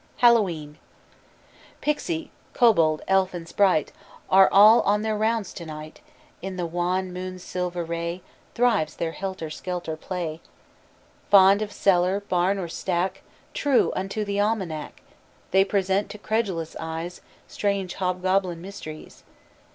HALLOWE'EN Pixie, kobold, elf, and sprite All are on their rounds to night, In the wan moon's silver ray Thrives their helter skelter play. Fond of cellar, barn, or stack True unto the almanac, They present to credulous eyes Strange hobgoblin mysteries.